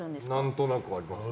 何となくあります。